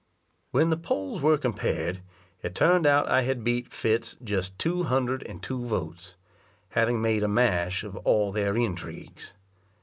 When the polls were compared, it turned out I had beat Fitz just two hundred and two votes, having made a mash of all their intrigues.